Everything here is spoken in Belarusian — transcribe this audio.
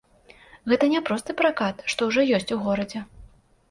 Гэта не просты пракат, што ўжо ёсць у горадзе.